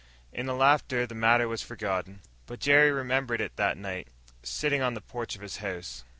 In the laughter, the matter was forgotten. But Jerry remembered it that night, sitting on the porch of his house.